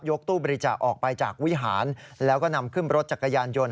ตู้บริจาคออกไปจากวิหารแล้วก็นำขึ้นรถจักรยานยนต์